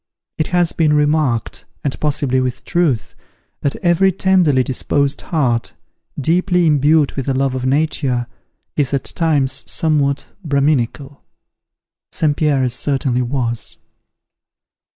It has been remarked, and possibly with truth, that every tenderly disposed heart, deeply imbued with a love of Nature, is at times somewhat Braminical. St. Pierre's certainly was.